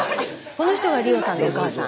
この人が理央さんのお母さん。